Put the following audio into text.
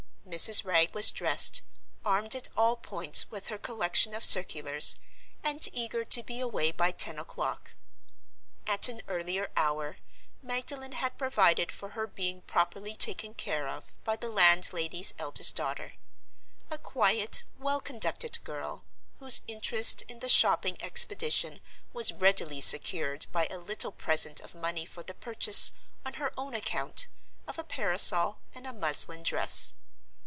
Mrs. Wragge was dressed, armed at all points with her collection of circulars, and eager to be away by ten o'clock. At an earlier hour Magdalen had provided for her being properly taken care of by the landlady's eldest daughter—a quiet, well conducted girl, whose interest in the shopping expedition was readily secured by a little present of money for the purchase, on her own account, of a parasol and a muslin dress.